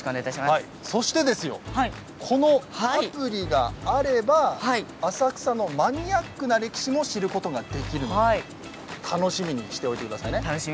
そして、このアプリがあれば浅草のマニアックな歴史も知ることができるということで楽しみにしておいてください。